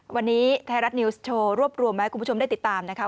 วันนี้ไทยรัฐนิวส์โชว์รวบรวมมาให้คุณผู้ชมได้ติดตามนะคะ